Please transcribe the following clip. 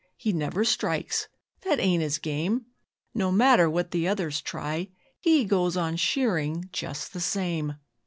'He never strikes that ain't his game; No matter what the others try HE goes on shearing just the same.